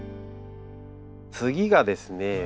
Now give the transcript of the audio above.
次がですね。